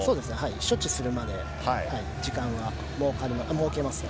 処置するまで、時間は設けますね。